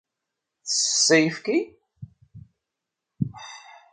Tsess ayefki?